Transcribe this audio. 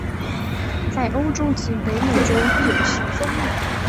在欧洲及北美洲亦有其踪影。